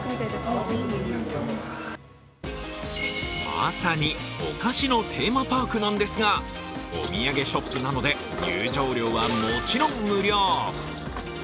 まさにお菓子のテーマパークなんですが、お土産ショップなので、入場料はもちろん無料。